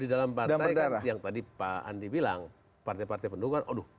di dalam partai yang tadi pak andi bilang partai partai pendukung aduh